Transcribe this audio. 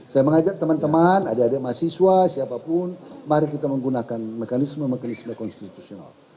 saya mengajak teman teman adik adik mahasiswa siapapun mari kita menggunakan mekanisme mekanisme konstitusional